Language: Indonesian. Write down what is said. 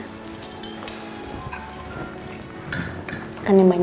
pekannya banyak ya